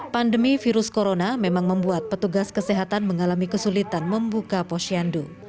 pandemi virus corona memang membuat petugas kesehatan mengalami kesulitan membuka posyandu